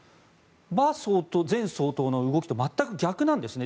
馬前総統の動きとは全く逆なんですね。